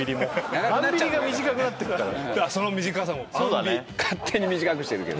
『アンビ』勝手に短くしてるけど。